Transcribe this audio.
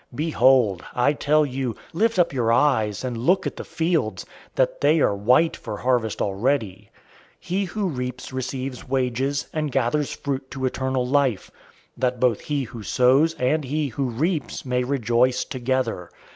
Behold, I tell you, lift up your eyes, and look at the fields, that they are white for harvest already. 004:036 He who reaps receives wages, and gathers fruit to eternal life; that both he who sows and he who reaps may rejoice together.